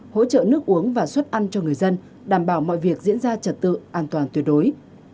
hỗ trợ nước uống và suất ăn cho người dân đảm bảo mọi việc diễn ra trật tự an toàn tuyệt đối